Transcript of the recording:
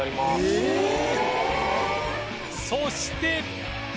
そして